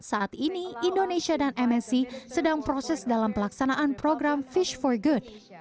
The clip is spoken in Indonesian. saat ini indonesia dan msc sedang proses dalam pelaksanaan program fish for good